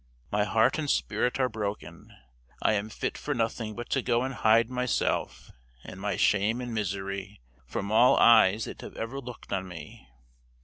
My heart and spirit are broken. I am fit for nothing but to go and hide myself, and my shame and misery, from all eyes that have ever looked on me.